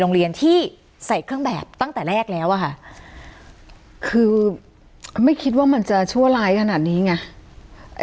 โรงเรียนที่ใส่เครื่องแบบตั้งแต่แรกแล้วอะค่ะคือก็ไม่คิดว่ามันจะชั่วร้ายขนาดนี้ไง